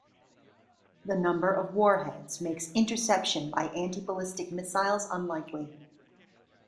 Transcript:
The number of warheads makes interception by anti-ballistic missiles unlikely.